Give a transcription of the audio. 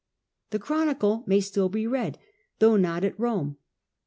That chronicle may ,, still be read, though not at Rome.